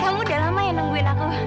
hai kamu udah lama yang nungguin aku